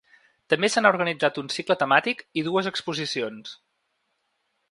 També se n’ha organitzat un cicle temàtic i dues exposicions.